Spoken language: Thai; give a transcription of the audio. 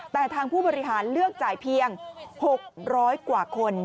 แต่ทางผู้บริหารเลือกจ่ายเพียง๖๐๐กว่าคน